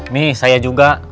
nih saya juga